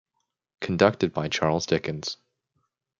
Conducted by Charles Dickens.